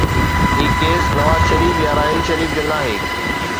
هي case Nawaz Sharif يا راحيل شريف جو ناهي.